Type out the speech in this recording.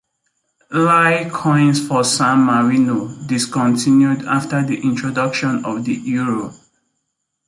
Lire coins for San Marino discontinued after the introduction of the euro.